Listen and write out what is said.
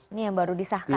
ini yang baru disahkan ya